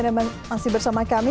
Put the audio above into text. terima kasih sudah bersama kami